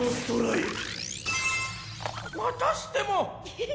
またしても。